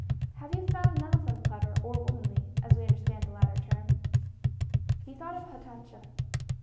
Have you found none of them clever or womanly, as we understand the latter term?" He thought of Hatatcha.